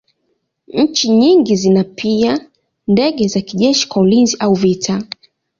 Nchi nyingi zina pia ndege za kijeshi kwa ulinzi au vita.